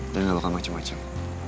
dan gak bakal macem macem